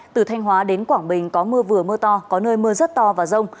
từ thanh hóa đến quảng bình có mưa vừa mưa to có nơi mưa rất to và rông